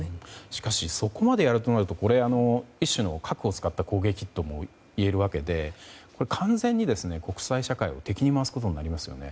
しかしそこまでやるとなると一種の核を使った攻撃ともいえるわけで、完全に国際社会を敵に回すことになりますよね。